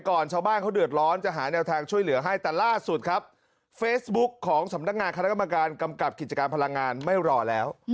การกำกับกิจการพลังงานไม่รอแล้ว